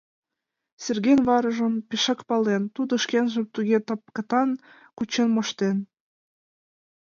Серген варажым пешак пален, тудо шкенжым туге тапкатан кучен моштен.